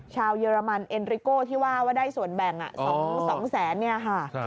เยอรมันเอ็นริโก้ที่ว่าว่าได้ส่วนแบ่ง๒แสนเนี่ยค่ะ